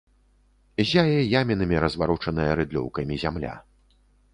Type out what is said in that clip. Ззяе ямінамі разварочаная рыдлёўкамі зямля.